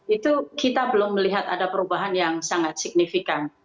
itu kita belum melihat ada perubahan yang sangat signifikan